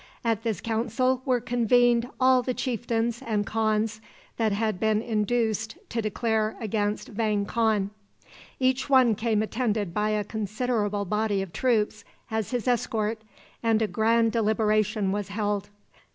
At this council were convened all the chieftains and khans that had been induced to declare against Vang Khan. Each one came attended by a considerable body of troops as his escort, and a grand deliberation was held.